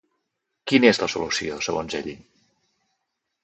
Quina és la solució, segons ell?